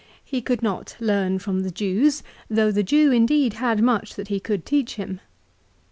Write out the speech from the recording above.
He could not learn from the Jews, though the Jew, indeed, had much that he could teach him.